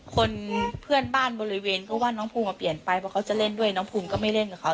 คนเพื่อนบ้านบริเวณก็ว่าน้องภูมิเปลี่ยนไปเพราะเขาจะเล่นด้วยน้องภูมิก็ไม่เล่นกับเขา